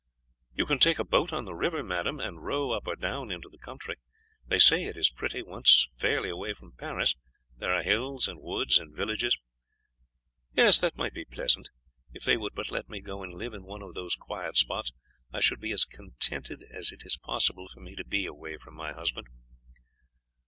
"You can take a boat on the river, madame, and row up or down into the country. They say it is pretty; once fairly away from Paris, there are hills and woods and villages." "That may be pleasant. If they would but let me go and live in one of those quiet spots I should be as contented as it is possible for me to be away from my husband.